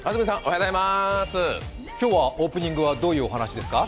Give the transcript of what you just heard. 今日はオープニングはどういうお話ですか？